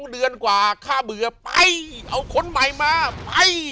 เดือนกว่าค่าเบื่อไปเอาคนใหม่มาไป